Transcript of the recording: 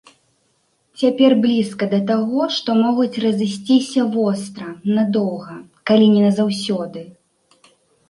Цяпер блізка да таго, што могуць разысціся востра, надоўга, калі не назаўсёды.